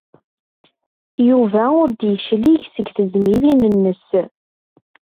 Yuba ur d-yeclig seg tezmilin-nnes.